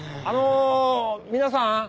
あの皆さん？